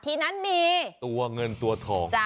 ทีนั้นมีตัวเงินตัวทอง